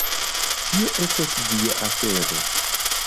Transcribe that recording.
Tio estas via afero!